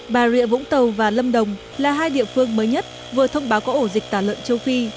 bà rịa vũng tàu và lâm đồng là hai địa phương mới nhất vừa thông báo có ổ dịch tả lợn châu phi